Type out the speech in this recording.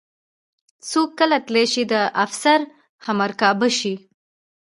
څوک کله تلی شي د افسر همرکابه شي.